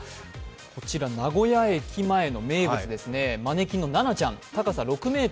こちら名古屋駅前の名物、マネキンのナナちゃん。